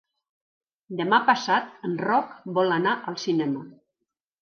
Demà passat en Roc vol anar al cinema.